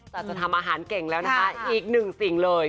แต่จะทำอาหารเก่งแล้วนะคะอีกหนึ่งสิ่งเลย